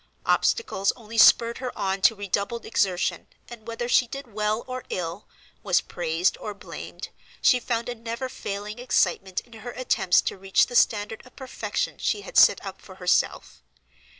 Obstacles only spurred her on to redoubled exertion, and whether she did well or ill, was praised or blamed, she found a never failing excitement in her attempts to reach the standard of perfection she had set up for herself.